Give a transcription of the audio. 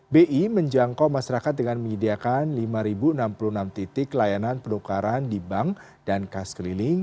bi menjangkau masyarakat dengan menyediakan lima enam puluh enam titik layanan penukaran di bank dan kas keliling